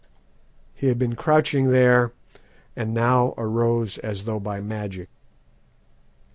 He had been crouching there, and now arose as though by magic.